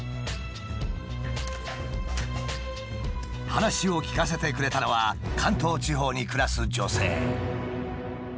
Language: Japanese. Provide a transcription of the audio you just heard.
話を聞かせてくれたのは関東地方に暮らす女性。